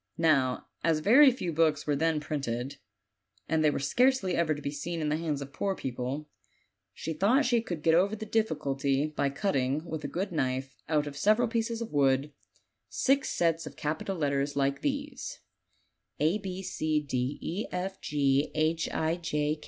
Now as very few books were then printed, and they were scarcely ever to be seen in the hands of poor people, she thought she could get over the difficulty by cutting, with a good knife, out of several pieces of wood, six sets of capital letters like these; OLD, OLD FAIRY TALES.